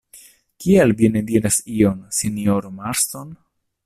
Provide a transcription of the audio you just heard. Kial vi ne diras ion, sinjoro Marston?